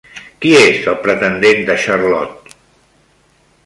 Qui és el pretendent de Charlotte?